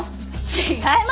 違います。